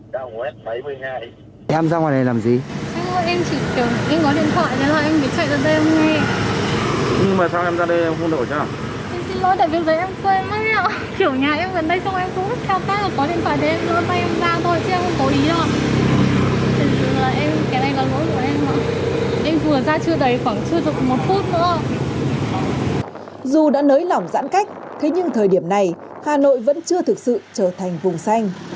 dù đã nới lỏng giãn cách thế nhưng thời điểm này hà nội vẫn chưa thực sự trở thành vùng xanh